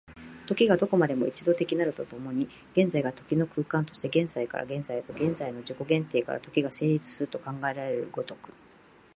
時がどこまでも一度的なると共に、現在が時の空間として、現在から現在へと、現在の自己限定から時が成立すると考えられる如く、